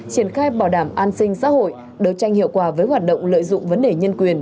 triển khai bảo đảm an sinh xã hội đấu tranh hiệu quả với hoạt động lợi dụng vấn đề nhân quyền